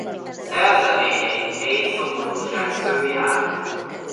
Szerzeményeit mély szomorúság szövi át.